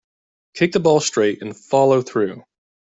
Kick the ball straight and follow through.